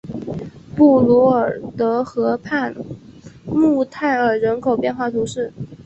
布卢尔德河畔穆泰尔人口变化图示